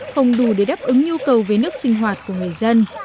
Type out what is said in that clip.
không đủ để đáp ứng nhu cầu về nước sinh hoạt của người dân